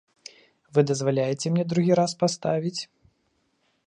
Вы дазваляеце мне другі раз паставіць?